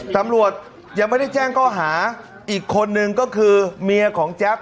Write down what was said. ตำรวจยังไม่ได้แจ้งข้อหาอีกคนนึงก็คือเมียของแจ๊บ